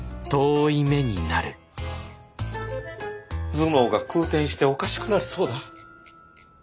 頭脳が空転しておかしくなりそうだ。